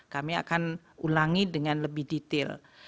kami akan ulangi dengan lebih detail